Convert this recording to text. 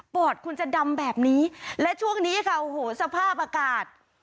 อดคุณจะดำแบบนี้และช่วงนี้ค่ะโอ้โหสภาพอากาศ